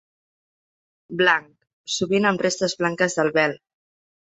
Blanc, sovint amb restes blanques del vel.